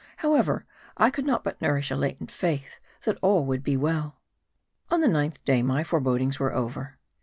How ever, I could not but nourish a latent faith that all would yet be well. On the ninth day my forebodings were over.